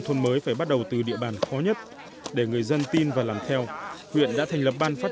thôn mới phải bắt đầu từ địa bàn khó nhất để người dân tin và làm theo huyện đã thành lập ban phát